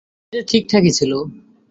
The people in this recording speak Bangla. এটা ঠিকঠাকই ছিল।